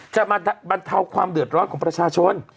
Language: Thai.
จะมาบรรเทาความเดือดร้อนของประชาชน